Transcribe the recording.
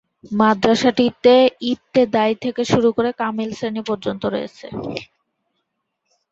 মাদ্রাসাটিতে ইবতেদায়ী থেকে শুরু করে কামিল শ্রেণী পর্যন্ত রয়েছে।